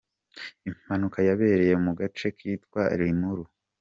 Impanuka yabereye mu gace kitwa Limuru.